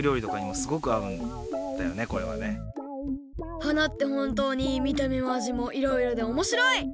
花ってほんとうにみためもあじもいろいろでおもしろい！